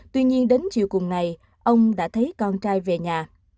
tuy nhiên đến chiều cuồng này ông đã thấy con trai về nhà